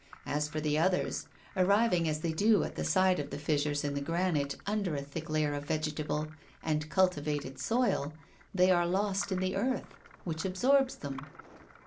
As for the others, arriving as they do at the side of the fissures in the granite under a thick layer of vegetable and cultivated soil, they are lost in the earth, which absorbs them.